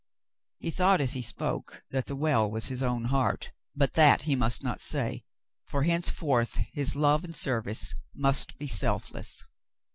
He thought as he spoke that the well w^as his own heart, but that he would not say, for henceforth his love and service must be selfless.